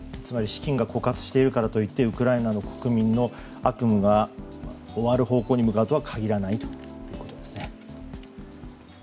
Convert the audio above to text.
つまり資金が枯渇しているからといってウクライナの国民の悪夢が終わる方向に向かうとは限らないということですね。